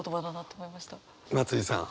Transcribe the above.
松居さん